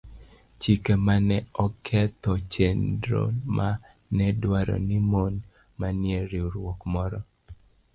chike ma ne oketho chenro ma ne dwaro ni mon manie riwruok moro